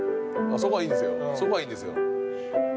そこはいいんですよ。